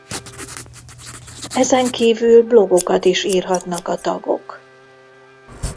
Ezen kívül blogokat is írhatnak a tagok.